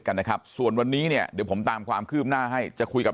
กันนะครับส่วนวันนี้เนี่ยเดี๋ยวผมตามความคืบหน้าให้จะคุยกับ